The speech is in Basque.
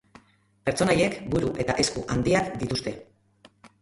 Pertsonaiek buru eta esku handiak dituzte.